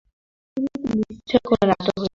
টিভিতে নিশ্চয়ই কোনো নাটক হচ্ছে।